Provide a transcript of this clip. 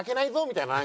みたいな。